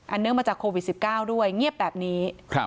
เนื่องมาจากโควิด๑๙ด้วยเงียบแบบนี้